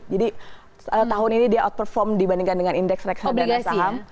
jadi tahun ini dia outperform dibandingkan dengan indeks reksadana saham